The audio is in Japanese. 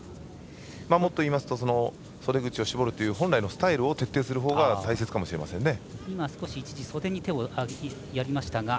もっと言いますと袖口を絞るという本来のスタイルを徹底するほうが大切かもしれませんね。